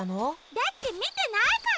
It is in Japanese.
だってみてないから。